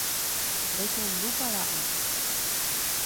Rehendúpara'e.